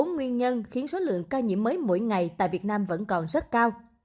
nguyên nhân khiến số lượng ca nhiễm mới mỗi ngày tại việt nam vẫn còn rất cao